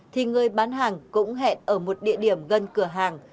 thì người bán hàng cũng hẹn ở một địa điểm gần cửa hàng